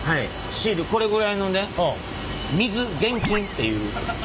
シールこれぐらいのね水厳禁っていう。